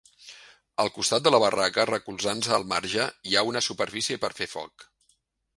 Al costat de la barraca, recolzant-se al marge, hi ha una superfície per fer foc.